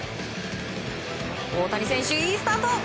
大谷選手、いいスタート。